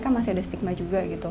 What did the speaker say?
kan masih ada stigma juga gitu